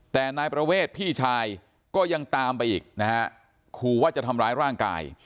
แต่นายประเวทพี่ชายก็ยังตามไปอีกนะฮะขู่ว่าจะทำร้ายร่างกาย